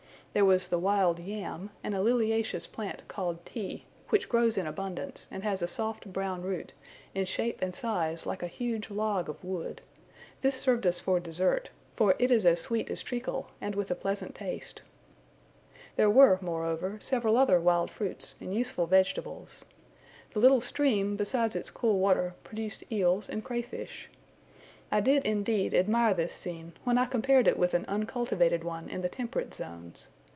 There was the wild yam, and a liliaceous plant called Ti, which grows in abundance, and has a soft brown root, in shape and size like a huge log of wood: this served us for dessert, for it is as sweet as treacle, and with a pleasant taste. There were, moreover, several other wild fruits, and useful vegetables. The little stream, besides its cool water, produced eels, and cray fish. I did indeed admire this scene, when I compared it with an uncultivated one in the temperate zones.